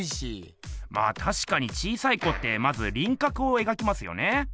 あたしかに小さい子ってまずりんかくをえがきますね。